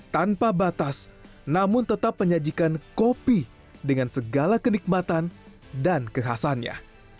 tanpa batas namun tetap menyajikan kopi dengan segala kenikmatan dan kekhasannya